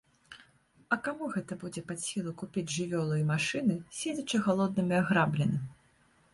А каму гэта будзе пад сілу купіць жывёлу і машыны, седзячы галодным і аграбленым?